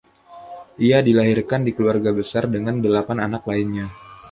Ia dilahirkan di keluarga besar dengan delapan anak lainnya.